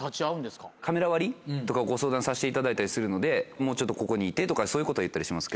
ご相談させていただいたりするのでもうちょっとここにいてとかそういうことは言ったりします。